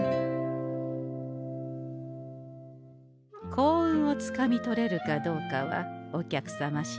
幸運をつかみ取れるかどうかはお客様しだい。